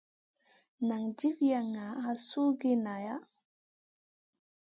Nan jifi ŋah suhgiya nala ?